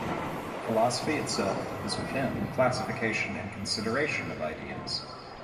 Philosophy itself is with him classification and consideration of ideas.